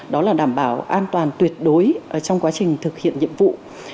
đó là đảm bảo an toàn tuyệt đối trong quá trình thực hiện nhiệm vụ